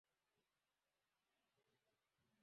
Umuhungu ukiri muto wambaye ingofero ya skatebo kumuhanda